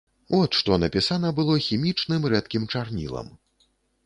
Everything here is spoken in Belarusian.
От што напісана было хімічным рэдкім чарнілам.